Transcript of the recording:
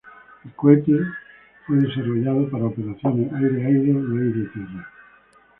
El cohete fue desarrollado para operaciones aire-aire y aire-tierra.